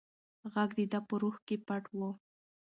غږ د ده په روح کې پټ و.